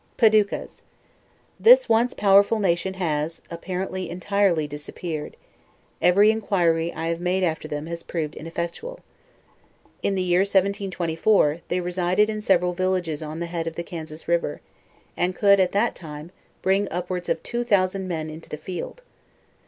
141 PADUCAS This once powerful nation lias, apparently en tirely disappeared; every inquiry I have made after them has proved ineffectual. Ip the year 1724, they resided in sev eral villages on the head of the Kansas river, and could, at that time, bring upwards of two thousand men into the field.